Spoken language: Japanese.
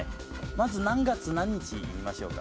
まず何月何日言いましょうか。